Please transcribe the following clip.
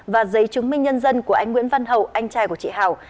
và giấy chứng minh nhân dân của anh nguyễn văn hậu anh trai của chị hảo